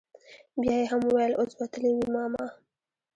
بيا يې هم وويل اوس به تلي وي ماما.